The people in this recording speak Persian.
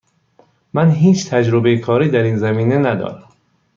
من هیچ تجربه کاری در این زمینه ندارم.